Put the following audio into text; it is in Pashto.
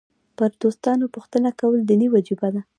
پر دوستانو پوښتنه کول دیني وجیبه ده.